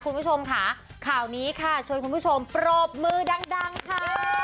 คุณผู้ชมค่ะข่าวนี้ค่ะชวนคุณผู้ชมปรบมือดังค่ะ